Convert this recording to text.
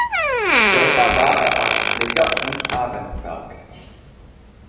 Später war er auch Pfleger in Abensberg.